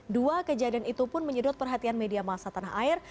dua kejadian itu pun menyedot perhatian media masa tanah air